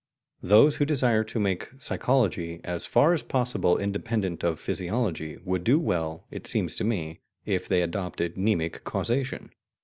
Those who desire to make psychology as far as possible independent of physiology would do well, it seems to me, if they adopted mnemic causation.